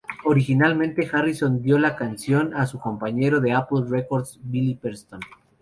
Originalmente, Harrison dio la canción a su compañero de Apple Records Billy Preston.